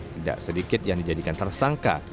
tidak sedikit yang dijadikan tersangka